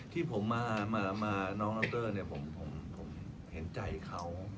ที่ผมมาน้องดรผมเห็นใจเขา